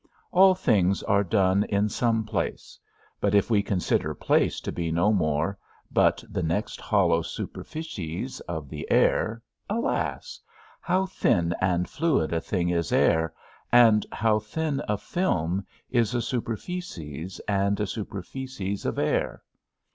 All things are done in some place; but if we consider place to be no more but the next hollow superficies of the air, alas! how thin and fluid a thing is air, and how thin a film is a superficies, and a superficies of air!